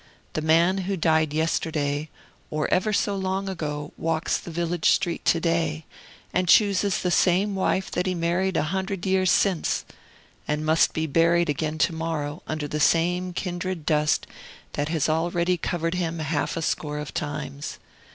The man who died yesterday or ever so long ago walks the village street to day, and chooses the same wife that he married a hundred years since, and must be buried again to morrow under the same kindred dust that has already covered him half a score of times.